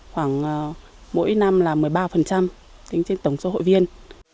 khoảng mỗi năm là một mươi ba tính trên tổng số hội viên